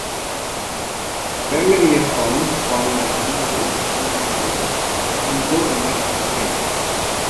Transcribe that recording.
Familiar forms of Nathan used in English include Nat and Nate.